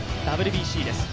ＷＢＣです。